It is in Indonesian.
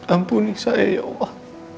ampuni saya ya allah